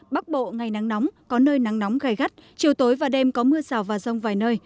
bắc bộ ngày nắng nóng có nơi nắng nóng gai gắt chiều tối và đêm có mưa rào và rông vài nơi